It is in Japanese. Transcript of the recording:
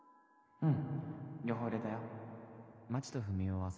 うん。